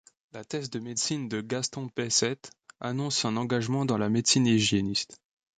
La thèse de médecine de Gaston Baissette annonce un engagement dans la médecine hygiéniste.